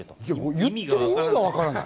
言っている意味がわからない。